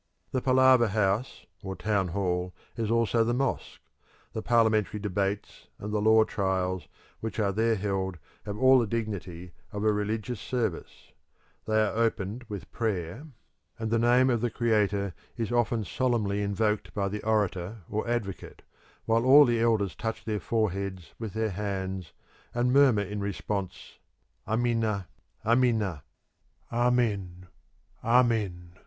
The palaver house or town hall is also the mosque; the parliamentary debates and the law trials which are there held have all the dignity of a religious service; they are opened with prayer, and the name of the creator is often solemnly invoked by the orator or advocate, while all the elders touch their foreheads with their hands and murmur in response, Amina! Amina! (Amen! Amen!).